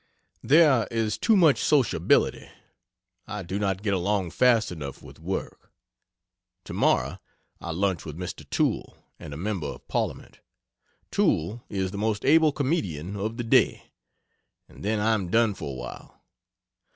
There is too much sociability I do not get along fast enough with work. Tomorrow I lunch with Mr. Toole and a Member of Parliament Toole is the most able Comedian of the day. And then I am done for a while.